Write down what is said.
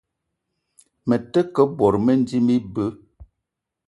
Me te ke bot mendim ibeu.